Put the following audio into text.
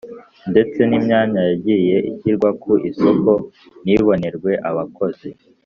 Ndetse n imyanya yagiye ishyirwa ku isoko ntibonerwe abakozi